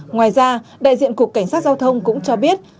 ngoài ra đại diện cục cảnh sát giao thông cũng cho biết